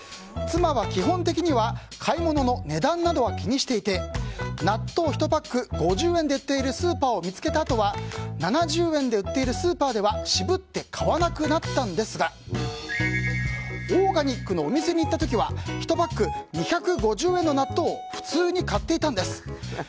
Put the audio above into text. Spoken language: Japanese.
妻は基本的には買い物の値段などは気にしていて納豆１パック５０円で売っているスーパーを見つけたあとは７０円で売っているスーパーでは渋って買わなくなったんですがオーガニックのお店に行った時は１パック２５０円の納豆を普通に買っていたんです。